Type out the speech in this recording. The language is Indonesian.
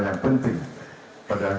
yang penting pada